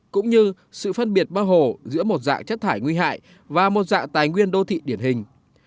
cũng như sự phân biệt bác hồ giữa một dạng chất thải nguy hại và một dạng tài nguyên đô thị điển hình